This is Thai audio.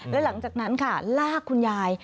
แล้วหลังจากนั้นค่ะลากคุณยาย